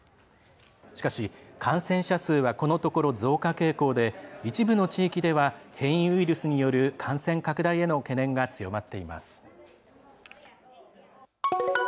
しかし、感染者数はこのところ増加傾向で一部の地域では変異ウイルスによる感染拡大への懸念が強まっています。